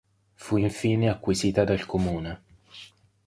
Fu infine acquisita dal Comune.